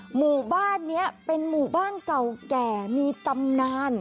หมู่บ้านนี้เป็นหมู่บ้านเก่าแก่มีตำนาน